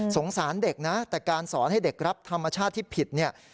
สารเด็กนะแต่การสอนให้เด็กรับธรรมชาติที่ผิดเนี่ย